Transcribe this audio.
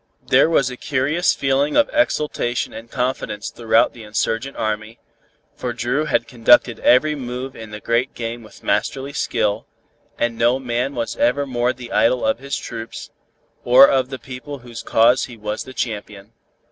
There was a curious feeling of exultation and confidence throughout the insurgent army, for Dru had conducted every move in the great game with masterly skill, and no man was ever more the idol of his troops, or of the people whose cause he was the champion.